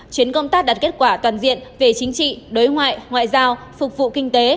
chuyến công tác đạt kết quả toàn diện về chính trị đối ngoại ngoại giao phục vụ kinh tế